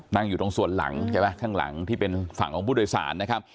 นั่งอยู่ตรงส่วนหลังใช่ไหมข้างหลังที่เป็นฝั่งของผู้โดยสารนะครับ